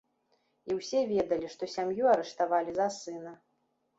І ўсе ведалі, што сям'ю арыштавалі за сына.